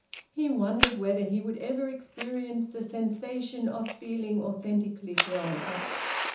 He wondered whether he would ever experience the sensation of feeling authentically grown up.